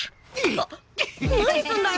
あっ何すんだよ！